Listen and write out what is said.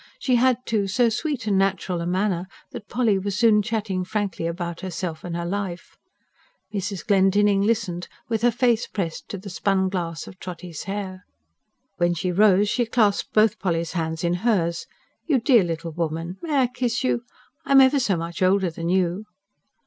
She had, too, so sweet and natural a manner that Polly was soon chatting frankly about herself and her life, Mrs. Glendinning listening with her face pressed to the spun glass of Trotty's hair. When she rose, she clasped both Polly's hands in hers. "You dear little woman... may I kiss you? I am ever so much older than you."